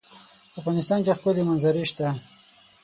په افغانستان کې ښکلي منظرې شته.